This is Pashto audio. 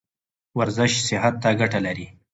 ورزش صحت ته ګټه لري